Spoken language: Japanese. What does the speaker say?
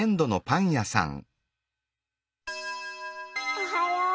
おはよう。